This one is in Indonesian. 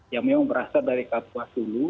yang memang berasal dari kapuas dulu